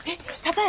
え